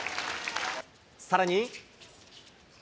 さらに。